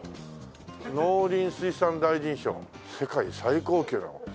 「農林水産大臣賞」「世界最高級の」。